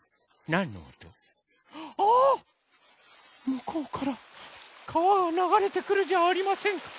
むこうからかわがながれてくるじゃありませんか。